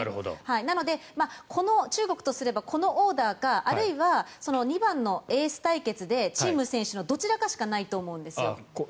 なので、中国とすればこのオーダーかあるいは２番のエース対決でチン・ム選手のどちらかしかないと思うんですね。